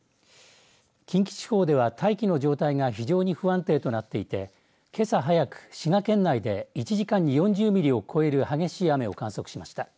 近畿地方では大気の状態が非常に不安定となっていてけさ早く、滋賀県内で１時間に４０ミリを超える激しい雨を観測しました。